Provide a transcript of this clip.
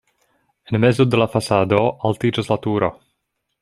En mezo de la fasado altiĝas la turo.